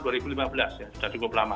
sudah cukup lama